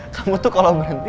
kamu tuh kalau berhenti